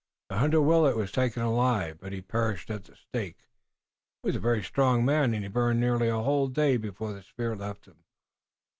The hunter Willet was taken alive, but he perished at the stake. He was a very strong man, and he burned nearly a whole day before the spirit left him.